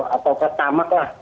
atau ketamak lah